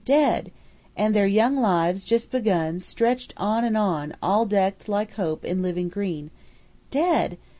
Dead! And their young lives, just begun, stretched on and on, all decked, like hope, in living green. Dead!